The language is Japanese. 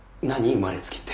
生まれつきって。